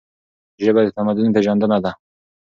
ژبه د تمدن پیژندنه ده.